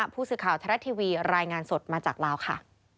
ผู้สื่อข่าวไทยรัฐทีวีรายงานสดมาจากลาวค่ะ